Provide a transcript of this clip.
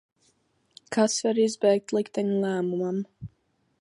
Kas var izbēgt likteņa lēmumam?